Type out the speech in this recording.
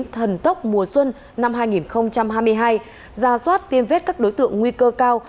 thần tốc mùa xuân năm hai nghìn hai mươi hai ra soát tiêm vết các đối tượng nguy cơ cao